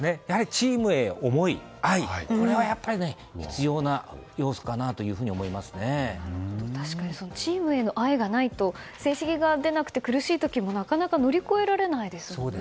チームへの思い愛というのは必要な確かにチームへの愛がないと成績が出なくて苦しい時も乗り越えられないですよね。